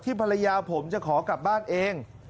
ภรรยาผมจะขอกลับบ้านเอง